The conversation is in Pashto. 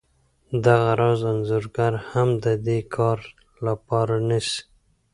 دغه راز انځورګر هم د دې کار لپاره نیسي